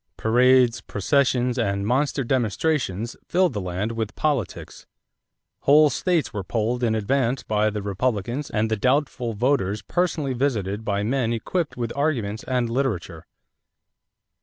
Parades, processions, and monster demonstrations filled the land with politics. Whole states were polled in advance by the Republicans and the doubtful voters personally visited by men equipped with arguments and literature.